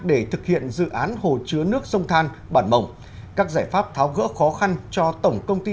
để thực hiện dự án hồ chứa nước sông than bản mộng các giải pháp tháo gỡ khó khăn cho tổng công ty